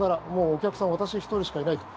お客さんは私１人しかいないと。